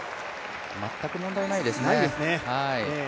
全く問題ないですね。